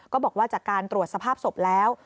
บอกว่าจากการตรวจสภาพศพแล้ว